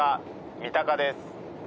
・三鷹です。